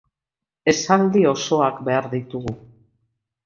Esaldi osoak behar ditugu.